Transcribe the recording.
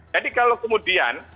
jadi kalau kemudian